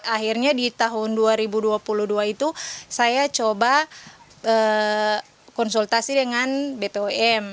akhirnya di tahun dua ribu dua puluh dua itu saya coba konsultasi dengan bpom